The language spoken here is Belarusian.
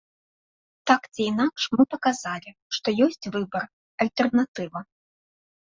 Так ці інакш мы паказалі, што ёсць выбар, альтэрнатыва.